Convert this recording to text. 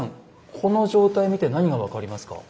この状態見て何が分かりますか？